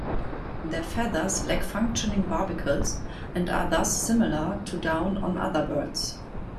Their feathers lack functioning barbicels, and are thus similar to down on other birds.